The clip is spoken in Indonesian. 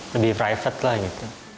lebih private lah gitu